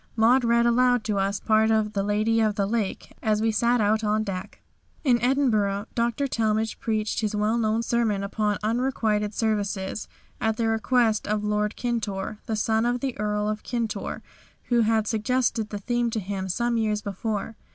Maud read aloud to us parts of 'The Lady of the Lake' as we sat out on deck." In Edinburgh Dr. Talmage preached his well known sermon upon unrequited services, at the request of Lord Kintore, the son of the Earl of Kintore, who had suggested the theme to him some years before.